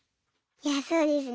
いやそうですね。